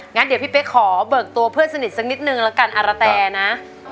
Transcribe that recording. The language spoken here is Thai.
งั้นเดี๋ยวพี่เป๊กขอเบิกตัวเพื่อนสนิทสักนิดนึงแล้วกันอารแต่นะ